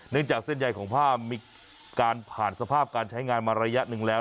จากเส้นใยของผ้ามีการผ่านสภาพการใช้งานมาระยะหนึ่งแล้ว